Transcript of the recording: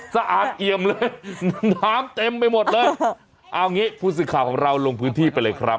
สะอาดเอี่ยมเลยน้ำเต็มไปหมดเลยเอางี้ผู้สื่อข่าวของเราลงพื้นที่ไปเลยครับ